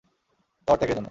তর ত্যাগের জন্য।